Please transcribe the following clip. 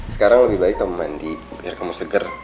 sekarang lebih baik kamu mandi biar kamu seger